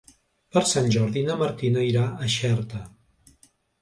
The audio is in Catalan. Per Sant Jordi na Martina irà a Xerta.